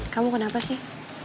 kamu kenapa sih